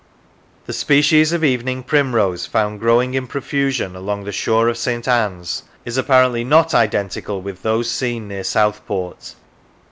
The species of evening primrose found growing in profusion along the shore of St. Anne's is apparently not identical with those seen near Southport.